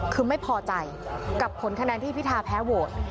คือไม่พอใจกับผลคะแนนที่พิทาแพ้โหวต